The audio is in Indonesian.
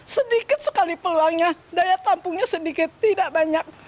sedikit sekali peluangnya daya tampungnya sedikit tidak banyak